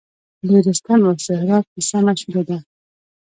د رستم او سهراب کیسه مشهوره ده